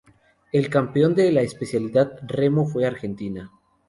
El campeón de la especialidad Remo fue Argentina.